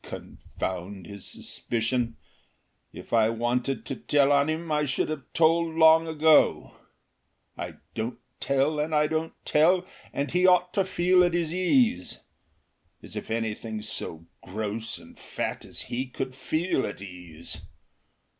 Confound his suspicion! If I wanted to tell on him I should have told long ago. I don't tell and I don't tell, and he ought to feel at his ease. As if anything so gross and fat as he could feel at ease!